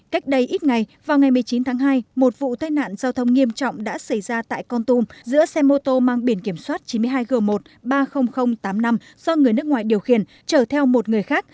cách đây ít ngày vào ngày một mươi chín tháng hai một vụ tai nạn giao thông nghiêm trọng đã xảy ra tại con tum giữa xe mô tô mang biển kiểm soát chín mươi hai g một ba mươi nghìn tám mươi năm do người nước ngoài điều khiển trở theo một người khác